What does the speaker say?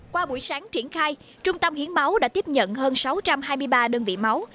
qua buổi sáng triển khai trung tâm hiến máu đã tiếp nhận hơn sáu trăm hai mươi ba đơn vị máu